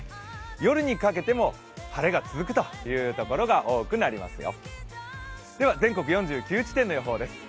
夜にかけても晴れが続くというところが多くなりますよ。